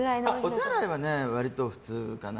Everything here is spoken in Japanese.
お手洗いは割と普通かな。